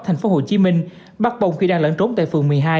thành phố hồ chí minh bắt bồng khi đang lẫn trốn tại phường một mươi hai